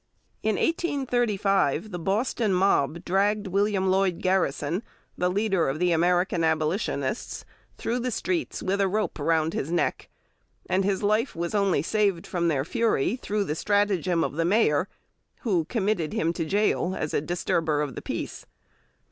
In 1835 the Boston mob dragged William Lloyd Garrison, the leader of the American Abolitionists, through the streets with a rope round his neck; and his life was only saved from their fury through the stratagem of the Mayor, who committed him to gaol as a disturber of the peace.